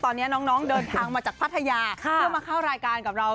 เป็นทางมาจากภัทยาเพื่อมาเข้ารายการกับเรา